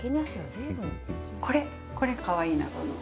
これ、これかわいいな。